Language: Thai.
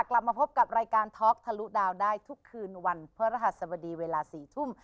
กลับมาพบกับรายการท็อกทะลุดาวได้ทุกคืนวันพระรหัสบดีเวลา๔ทุ่ม